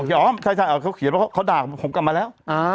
อ๋อมใช่เขาเขียนว่าเขาด่าผมกลับมาแล้ว